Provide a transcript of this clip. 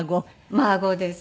孫です。